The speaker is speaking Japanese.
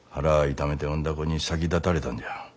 痛めて産んだ子に先立たれたんじゃ。